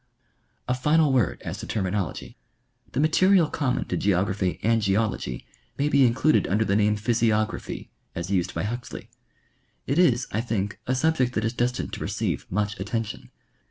A final word as to terminology. The material common to ge ography and geology may be included under the name physiogra phy, as used by Huxley. It is, I think, a subject that is destined to receive much attention.